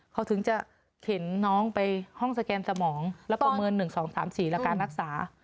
เขาถึงจะเข็นน้องไปห้องสแกนสมองแล้วกระเมินหนึ่งสองสามสี่ละการรักษา